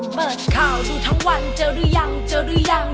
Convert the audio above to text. เปิดข่าวดูทั้งวันเจอหรือยังเจอหรือยัง